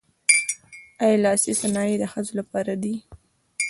آیا لاسي صنایع د ښځو لپاره دي؟